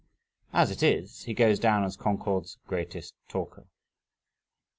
As it is, he goes down as Concord's greatest talker.